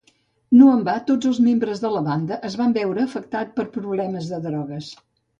No en va, tots els membres de la banda es van veure afectats per problemes de drogues.